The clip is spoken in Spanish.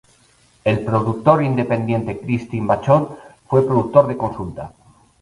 El productor independiente Christine Vachon fue productor de consulta.